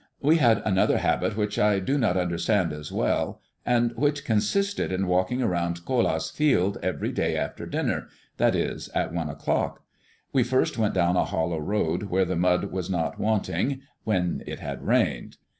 We had another habit which I do not understand as well, and which consisted in walking around Colas' field every day after dinner; that is, at one o'clock. We first went down a hollow road where the mud was not wanting when it had rained.